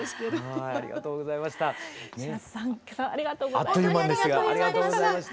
島津さんありがとうございました。